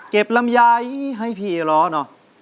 เก็บลำยายให้พี่รอเนาะ